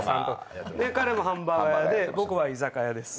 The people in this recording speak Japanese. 彼もハンバーガー屋で僕は居酒屋です。